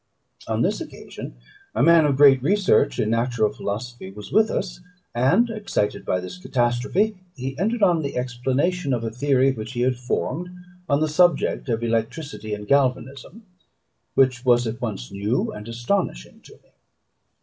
On this occasion a man of great research in natural philosophy was with us, and, excited by this catastrophe, he entered on the explanation of a theory which he had formed on the subject of electricity and galvanism, which was at once new and astonishing to me.